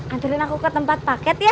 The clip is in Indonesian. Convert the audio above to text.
anjurin aku ke tempat paket ya